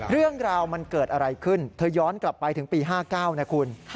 เรื่องราวมันเกิดอะไรขึ้นเธอย้อนกลับไปถึงปี๕๙นะคุณ